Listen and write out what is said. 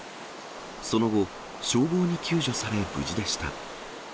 その後、消防に救助され無事でした。